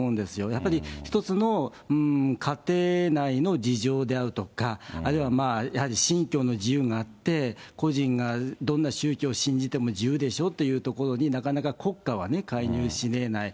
やっぱり一つの家庭内の事情であるとか、あるいは、やはり信教の自由があって、個人がどんな宗教を信じても自由でしょっていうところに、なかなか国家はね、介入しえない。